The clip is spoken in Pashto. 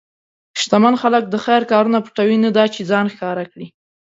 شتمن خلک د خیر کارونه پټوي، نه دا چې ځان ښکاره کړي.